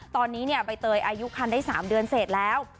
ตอนนี้ใบเตยอายุคันได้๓เดือนเสร็จแล้ว